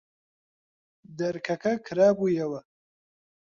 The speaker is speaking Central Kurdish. دەرکەکە کرابوویەوە.